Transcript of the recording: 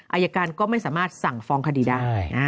อายการก็ไม่สามารถสั่งฟ้องคดีได้